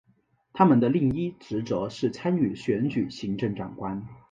他们的另一职责是参与选举行政长官。